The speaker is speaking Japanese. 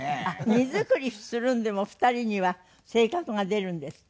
荷造りするんでもお二人には性格が出るんですって？